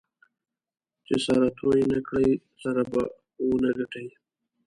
چې سره توی نه کړې؛ سره به و نه ګټې.